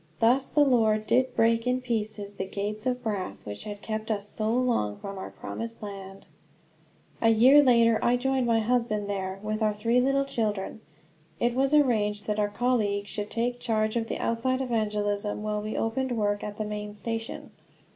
Thus the Lord did break in pieces the gates of brass which had kept us so long from our promised land. A year later I joined my husband there, with our three little children. It was arranged that our colleague should take charge of the outside evangelism, while we opened work at the main station.